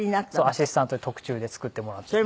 アシスタントに特注で作ってもらって。